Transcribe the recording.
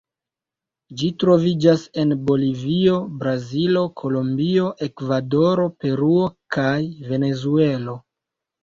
Ĝi troviĝas en Bolivio, Brazilo, Kolombio, Ekvadoro, Peruo kaj Venezuelo.